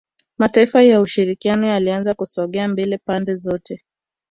Mataifa ya ushirikiano yalianza kusogea mbele pande zote